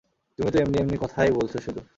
তুমি তো এমনি এমনি কথাই বলছ শুধু।